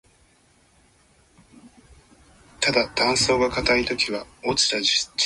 今日はゼミの筆記試験がありました。